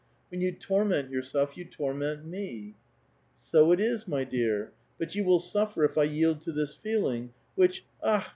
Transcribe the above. When you torment yourself, you torment me." " 80 it is, my dear ;^ but you will suffer if I yield to this feeling, which — akh!